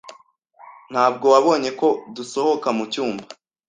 Ntabwo wabonye ko dusohoka mucyumba?